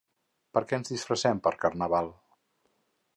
Per què ens disfressem per carnaval?